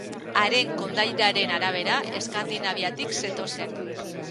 Haren kondairaren arabera, Eskandinaviatik zetozen.